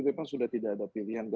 tapi kan sudah tidak ada pilihan